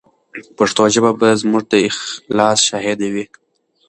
پښتو ژبه به زموږ د اخلاص شاهده وي.